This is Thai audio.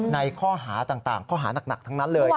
ในข้อหาต่างข้อหานักทั้งนั้นเลย